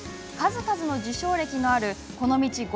数々の受賞歴のあるこの道